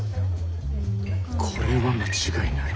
これは間違いない。